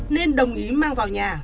nên đồng ý mang vào nhà